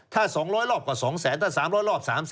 ถ้า๒๐๐รอบก็๒๐๐๐๐๐ถ้า๓๐๐รอบ๓๐๐๐๐๐